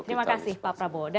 terima kasih pak prabowo